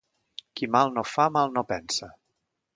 Qui mal no fa mal no pensa